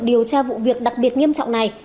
điều tra vụ việc đặc biệt nghiêm trọng này